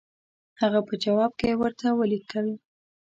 هغه په جواب کې ورته ولیکل.